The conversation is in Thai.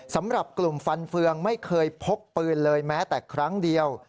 สำหรับกลุ่มฟันเฟืองไม่เคยพกปืนเลยแม้แต่ครั้งเดียว